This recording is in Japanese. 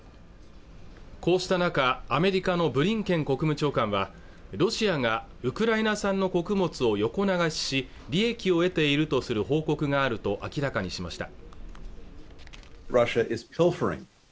こうした中アメリカのブリンケン国務長官はロシアがウクライナ産の穀物を横流しし利益を得ているとする報告があると明らかにしました